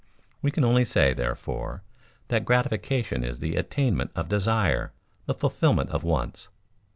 We can only say, therefore, that gratification is the attainment of desire, the fulfilment of wants.